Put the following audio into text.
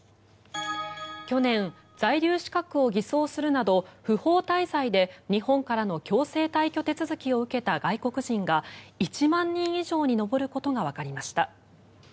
去年、在留資格を偽装するなど不法滞在で日本からの強制退去手続きを受けた外国人が１万人以上に上ることがわかりました。